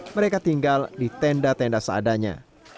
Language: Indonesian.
mereka tinggal di tenda tenda seadanya